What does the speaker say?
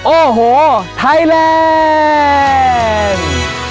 โอ้โหไทยแลนด์